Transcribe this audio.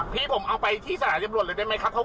พี่ผมเอาไปที่สถานีตำรวจเลยได้ไหมครับ